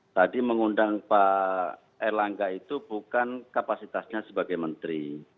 tadi mengundang pak erlangga itu bukan kapasitasnya sebagai menteri